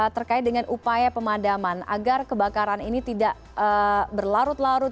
terkait dengan upaya pemadaman agar kebakaran ini tidak berlarut larut